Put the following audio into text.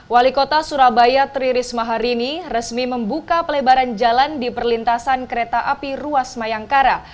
wali kota surabaya tri risma hari ini resmi membuka pelebaran jalan di perlintasan kereta api ruas mayangkara